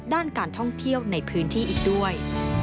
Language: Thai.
ด้านการท่องเที่ยวในพื้นที่อีกด้วย